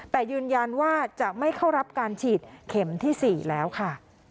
แต่ยืนยันว่าจะไม่เข้ารับการฉีดเข็มที่๔แล้วค่ะ